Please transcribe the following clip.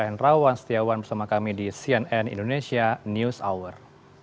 hendrawan setiawan bersama kami di cnn indonesia news hour